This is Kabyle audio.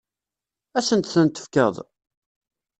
Ad asent-tent-tefkeḍ?